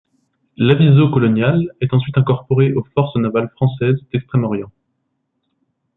L'aviso colonial est ensuite incorporé au Forces navales françaises d'Extrême-Orient.